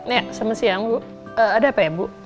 ya sama siang bu ada apa ya bu